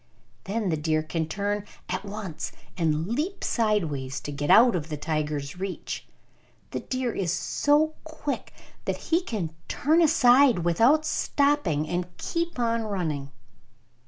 Then the deer can turn at once and leap sideways to get out of the tiger's reach. The deer is so quick that he can turn aside without stopping, and keep on running.